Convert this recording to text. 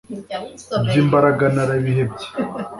iby’imbaraga narabihebye